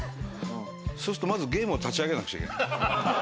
そうすると、まずゲームを立ち上げなくちゃいけない。